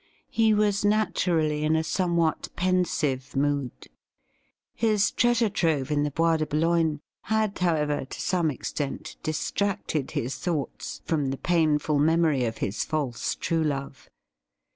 He was naturally in a somewhat pensive mood. His treasure trove in the Bois de Boulogne had, however, to some extent distracted his thoughts from the painful memory of his false true love.